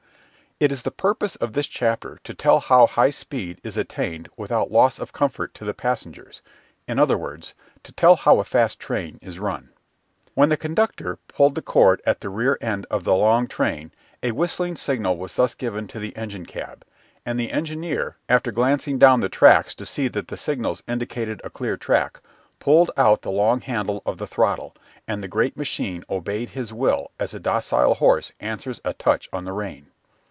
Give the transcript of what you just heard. It is the purpose of this chapter to tell how high speed is attained without loss of comfort to the passengers in other words, to tell how a fast train is run. When the conductor pulled the cord at the rear end of the long train a whistling signal was thus given in the engine cab, and the engineer, after glancing down the tracks to see that the signals indicated a clear track, pulled out the long handle of the throttle, and the great machine obeyed his will as a docile horse answers a touch on the rein.